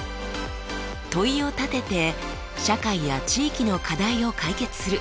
問いを立てて社会や地域の課題を解決する。